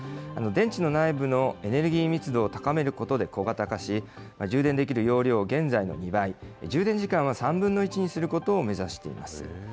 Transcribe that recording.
電池の内部のエネルギー密度を高めることで小型化し、充電できる容量を現在の２倍、充電時間は３分の１にすることを目指しています。